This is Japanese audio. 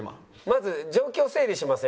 「まず状況整理しません？」